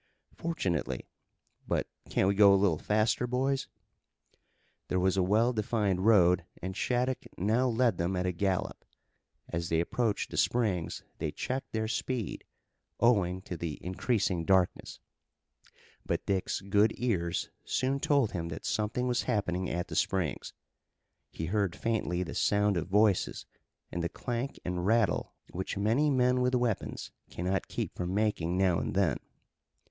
"Fortunately. But can't we go a little faster, boys?" There was a well defined road and Shattuck now led them at a gallop. As they approached the springs they checked their speed, owing to the increasing darkness. But Dick's good ears soon told him that something was happening at the springs. He heard faintly the sound of voices, and the clank and rattle which many men with weapons cannot keep from making now and then.